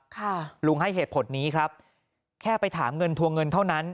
ค่ะลุงให้เหตุผลนี้ครับแค่ไปถามเงินทวงเงินเท่านั้น